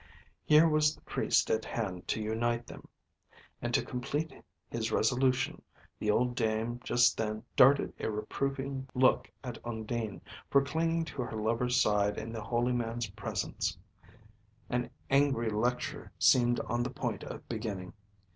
Here was the Priest at hand to unite them; and, to complete his resolution, the old dame just then darted a reproving look at Undine, for clinging to her lover's side in the holy man's presence; an angry lecture seemed on the point of beginning.